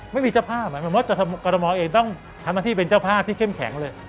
ไม่มีเจ้าภาพเหมือนกฎมอลเองต้องทำที่เป็นเจ้าภาพที่เข้มแข็งเลย